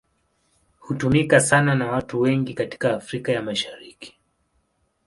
Hutumika sana na watu wengi katika Afrika ya Mashariki.